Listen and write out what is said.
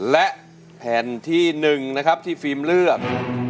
และแผ่นที่๑นะครับที่ฟิล์มเลือก